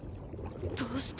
どうして。